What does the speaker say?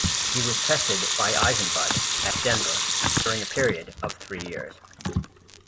He was tested by Eisenbud at Denver during a period of three years.